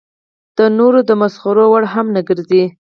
د نورو د تمسخر وړ هم نه ګرځي.